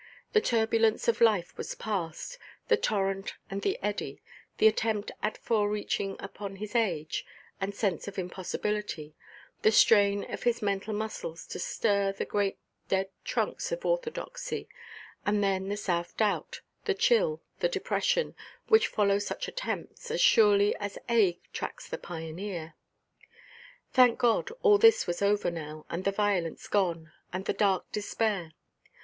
The turbulence of life was past, the torrent and the eddy, the attempt at fore–reaching upon his age, and sense of impossibility, the strain of his mental muscles to stir the great dead trunks of "orthodoxy," and then the self–doubt, the chill, the depression, which follow such attempts, as surely as ague tracks the pioneer. Thank God, all this was over now, and the violence gone, and the dark despair.